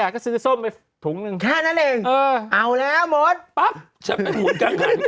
ถูก